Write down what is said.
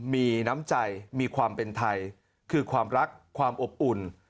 มีน้ำใจมีความเป็นไทยคือความรักความอบอุ่น